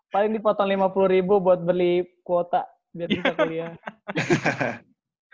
paling dipotong rp lima puluh ribu buat beli kuota biar bisa kuliah